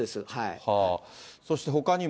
そしてほかにも。